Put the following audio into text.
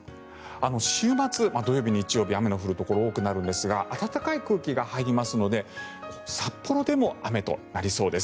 週末、土曜日、日曜日雨の降るところが多くなるんですが暖かい空気が入りますので札幌でも雨となりそうです。